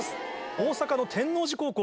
大阪の天王寺高校